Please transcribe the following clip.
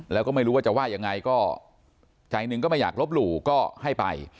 แล้วก็ไม่รู้ว่าจะว่ายังไงก็ใจหนึ่งก็ไม่อยากลบหลู่ก็ให้ไป